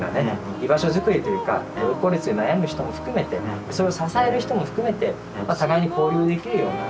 居場所づくりというか孤独・孤立で悩む人も含めてそれを支える人も含めて互いに交流できるような。